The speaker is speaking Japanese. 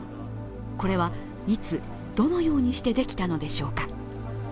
これはいつ、どのようにしてできたのでしょうか。